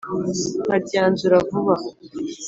nkaryanzura vuba !"